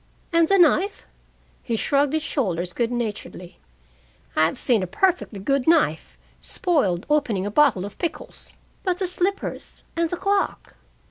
"And the knife?" He shrugged his shoulders good naturedly. "I've seen a perfectly good knife spoiled opening a bottle of pickles." "But the slippers? And the clock?"